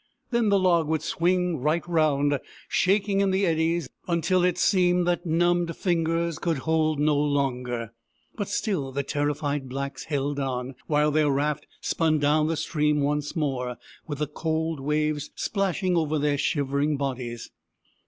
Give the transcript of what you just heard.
Then the log would swing right round, shaking in the eddies, until it seemed that numbed fingers could hold no longer. But still the terrified blacks held on, while their raft spun down the stream once more, with the cold waves splashing over their shivering bodies.